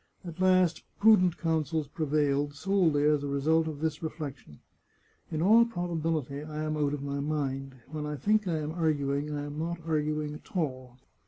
At last prudent counsels prevailed, solely as a result of this reflec tion :" In all probability I am out of my mind. When I think I am arguing I am not arguing at all.